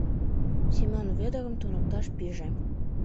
— Семон Вӧдырым туныкташ пиже.